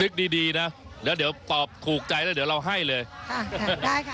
คดีดีดีนะแล้วเดี๋ยวตอบถูกใจแล้วเดี๋ยวเราให้เลยค่ะได้ค่ะ